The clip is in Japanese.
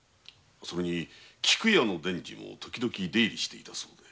それに「菊や」の伝次も時々出入りをしていたそうです。